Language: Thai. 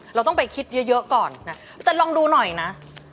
เราต้องไปคิดเยอะก่อนนะแต่ลองดูหน่อยนะ